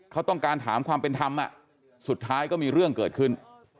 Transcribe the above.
เขาต้องการถามความเป็นธรรมสุดท้ายก็มีเรื่องเกิดขึ้น